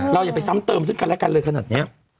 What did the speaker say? อย่าไปซ้ำเติมซึ่งกันและกันเลยขนาดนี้